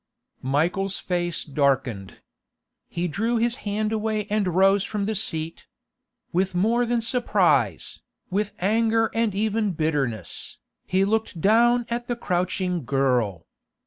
Michael's face darkened. He drew his hand away and rose from the seat; with more than surprise, with anger and even bitterness, he looked down at the crouching girl.